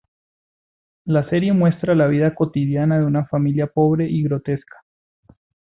La serie muestra la vida cotidiana de una familia pobre y grotesca.